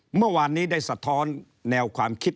เมื่อวานนี้ได้สะท้อนแนวความคิด